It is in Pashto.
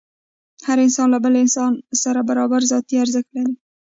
هر انسان له بل سره برابر ذاتي ارزښت لري.